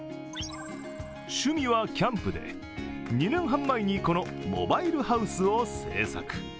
趣味はキャンプで、２年半前にこのモバイルハウスを制作。